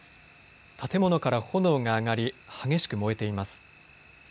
建物から炎が上がり激しく燃えています。